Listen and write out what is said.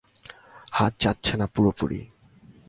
হাত যাচ্ছে না পুরোপুরি।